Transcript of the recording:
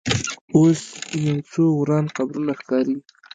اوس یو څو وران قبرونه ښکاري.